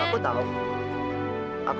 kamu tuh tau soal